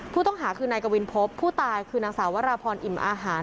ผู้ต้องหาคือนายกวินพบผู้ตายคือนางสาววราพรอิ่มอาหาร